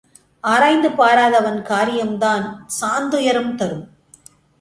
ஆராய்ந்து பாராதவன் காரியம் தான் சாந் துயரம் தரும்.